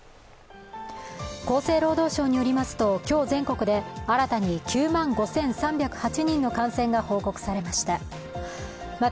厚生労働省によりますと、今日全国で新たに９万５３０８人の感染が報告されました。